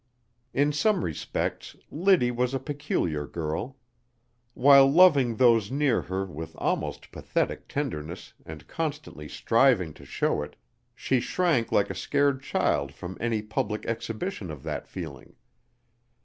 In some respects Liddy was a peculiar girl. While loving those near her with almost pathetic tenderness and constantly striving to show it, she shrank like a scared child from any public exhibition of that feeling.